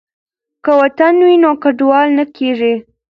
که وطن وي نو کډوال نه کیږي.